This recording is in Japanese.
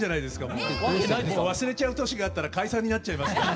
もう忘れちゃう年があったら解散になっちゃいますから。